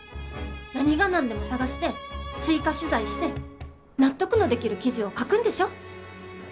何が何でも探して追加取材して納得のできる記事を書くんでしょ？